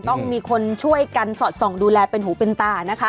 ต้องมีคนช่วยกันสอดส่องดูแลเป็นหูเป็นตานะคะ